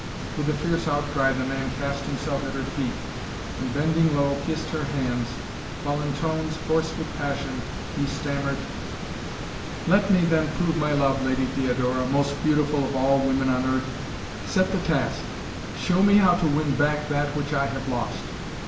With a fierce outcry the man cast himself at her feet, and, bending low, kissed her hands, while, in tones, hoarse with passion, he stammered: "Let me then prove my love, Lady Theodora, most beautiful of all women on earth! Set the task! Show me how to win back that which I have lost!